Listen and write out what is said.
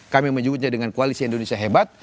kami menyebutnya dengan koalisi indonesia hebat